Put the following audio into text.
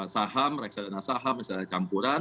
saham reksadana saham misalnya campuran